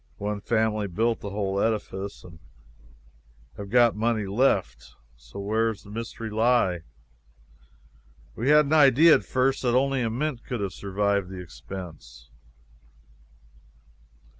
One family built the whole edifice, and have got money left. There is where the mystery lies. We had an idea at first that only a mint could have survived the expense.